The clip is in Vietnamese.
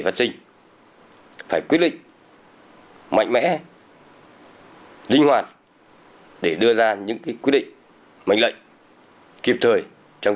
phát sinh phải quyết định mạnh mẽ linh hoạt để đưa ra những quyết định mệnh lệnh kịp thời trong